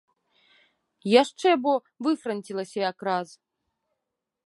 Яшчэ бо выфранцілася якраз!